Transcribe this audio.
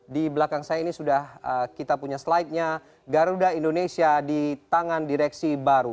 di belakang saya ini sudah kita punya slide nya garuda indonesia di tangan direksi baru